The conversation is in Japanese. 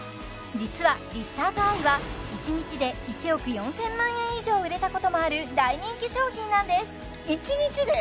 実はリスタートアイは１日で１億４０００万円以上売れたこともある大人気商品なんです１日で！？